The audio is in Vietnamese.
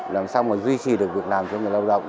làm sao mà duy trì được việc làm cho người lao động